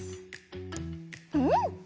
うん！